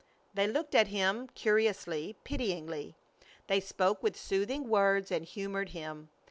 They looked at him curiously, pityingly. They spoke with soothing words and humored him.